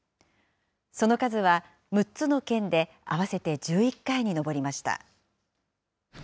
その数は６つの県で合わせて１１回に上りました。